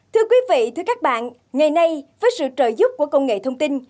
thưa quý vị thưa các bạn ngày nay với sự trợ giúp của công nghệ thông tin